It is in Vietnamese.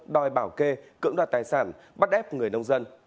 đòi bảo kê cưỡng đoạt tài sản bắt ép người nông dân